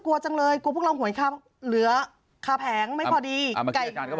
กลัวจังเลยกลัวพวกเราหวยคำเหลือคาแผงไม่พอดีอ่านก็บอก